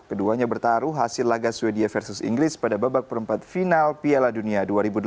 keduanya bertaruh hasil laga sweden versus inggris pada babak perempat final piala dunia dua ribu delapan belas